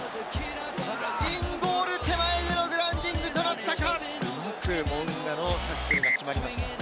インゴール手前でのグラウンディングとなったか？